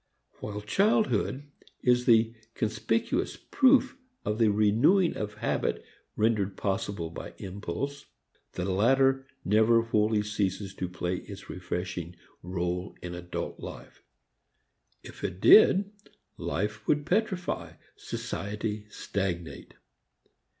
While childhood is the conspicuous proof of the renewing of habit rendered possible by impulse, the latter never wholly ceases to play its refreshing rôle in adult life. If it did, life would petrify, society stagnate.